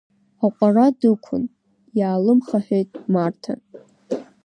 Аҟәара дықәын, иаалымхаҳәеит Марҭа.